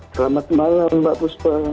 selamat malam mbak fusba